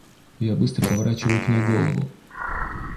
Я быстро поворачиваю к ней голову.